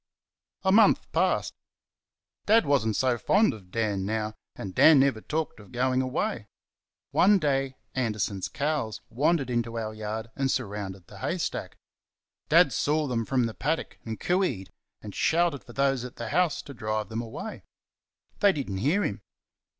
A month passed. Dad was n't so fond of Dan now, and Dan never talked of going away. One day Anderson's cows wandered into our yard and surrounded the hay stack. Dad saw them from the paddock and cooeed, and shouted for those at the house to drive them away. They did n't hear him.